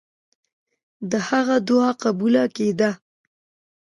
د هغه دعا قبوله کېده.